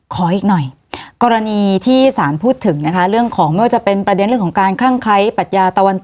ขออีกหน่อยกรณีที่สารพูดถึงนะคะเรื่องของไม่ว่าจะเป็นประเด็นเรื่องของการคลั่งไคร้ปรัชญาตะวันตก